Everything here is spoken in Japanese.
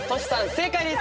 正解です。